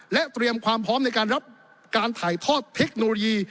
และเตรียมความพร้อมในการรับการถ่ายทอดเทคโนโลยี